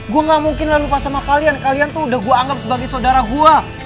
gue gak mungkin lupa sama kalian kalian tuh udah gue anggap sebagai sodara gue